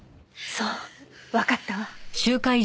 そうわかったわ。